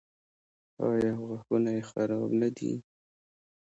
ایا غاښونه یې خراب نه دي؟